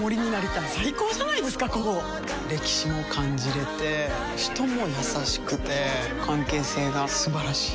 歴史も感じれて人も優しくて関係性が素晴らしい。